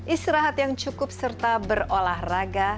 istirahat yang cukup serta berolahraga